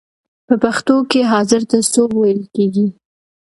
په پښتو کې حاضر ته سوب ویل کیږی.